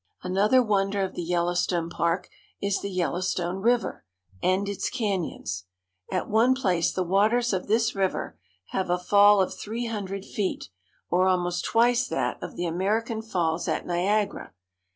Another wonder of the Yellowstone Park is the Yellowstone River and its canyons. At one place the waters of this river have a fall of three hundred feet, or almost twice that of the American Falls at Niagara.